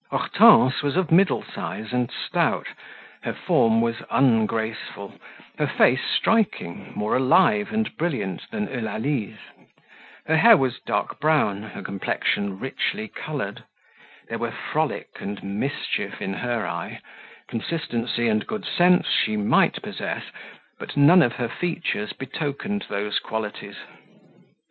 Hortense was of middle size and stout, her form was ungraceful, her face striking, more alive and brilliant than Eulalie's, her hair was dark brown, her complexion richly coloured; there were frolic and mischief in her eye: consistency and good sense she might possess, but none of her features betokened those qualities.